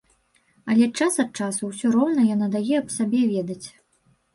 Але час ад часу ўсё роўна яна дае аб сабе ведаць.